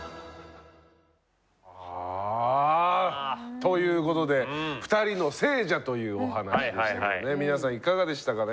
ということで「２人の聖者」というお話でしたけどね皆さんいかがでしたかね？